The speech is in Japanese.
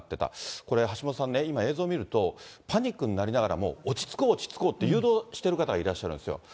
これ、橋下さんね、今、映像見ると、パニックになりながらも落ち着こう、落ち着こうって誘導してる方がいらっしゃるわけですよ。